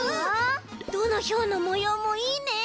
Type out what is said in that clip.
どのヒョウのもようもいいね！